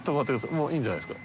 發いいんじゃないですか？